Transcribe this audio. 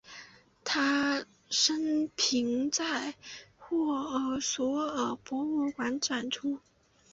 他的生平在沃尔索尔博物馆展出。